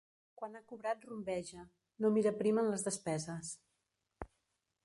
Quan ha cobrat rumbeja: no mira prim en les despeses.